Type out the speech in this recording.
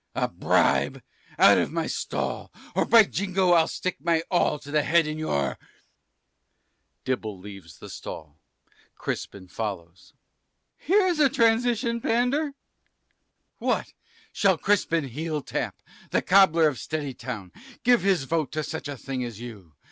a bribe; out of my stall, or by Jingo I'll stick my awl to the head in your Dibble leaves the stall, Crispin follows. Sir B. Here's a transition, Pander. Cris. What! shall Crispin Heel tap, the cobbler of Steady town, give his vote to such a thing as you?